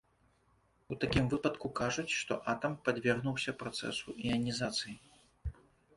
У такім выпадку кажуць, што атам падвергнуўся працэсу іанізацыі.